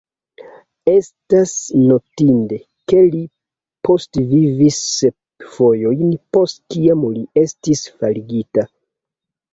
Estas notinde, ke li postvivis sep fojojn post kiam li estis faligita.